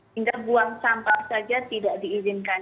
hingga buang sampah saja tidak diizinkan